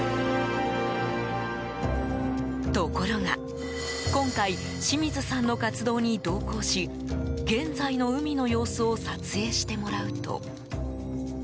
ところが今回清水さんの活動に同行し現在の海の様子を撮影してもらうと。